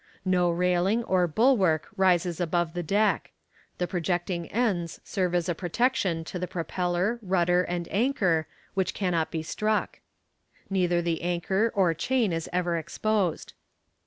No railing or bulwark rises above the deck. The projecting ends serve as a protection to the propeller, rudder and anchor, which cannot be struck. Neither the anchor or chain is ever exposed.